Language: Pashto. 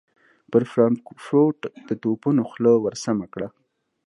پر فرانکفورټ د توپونو خوله ور سمهکړه.